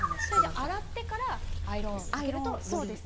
洗ってからアイロンをかけるんですね。